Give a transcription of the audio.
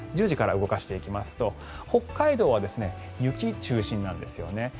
１０時から動かしていきますと北海道は雪中心なんですよね。